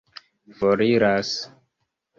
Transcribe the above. foriras